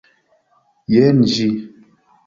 Jen ĝi.